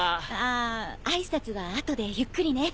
あ挨拶は後でゆっくりね。